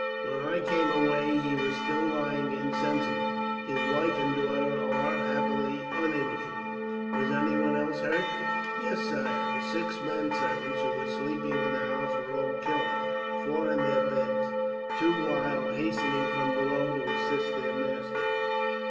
When I came away, he was still lying insensible. His wife and daughter are, happily, uninjured." "Was anyone else hurt?" "Yes, sire, the six menservants who were sleeping in the house were all killed four in their beds, two while hastening from below to assist their master."